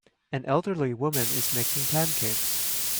An elderly woman is making pancakes.